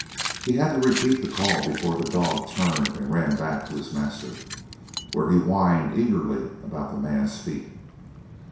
He had to repeat the call before the dog turned and ran back to his master, where he whined eagerly about the man's feet.